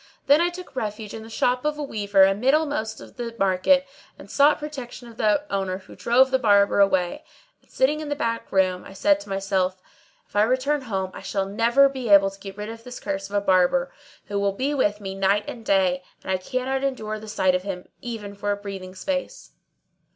Then I took refuge in the shop of a weaver amiddlemost of the market and sought protection of the owner who drove the Barber away; and, sitting in the back room,[FN#630] I said to myself, "If I return home I shall never be able to get rid of this curse of a Barber, who will be with me night and day; and I cannot endure the sight of him even for a breathing space."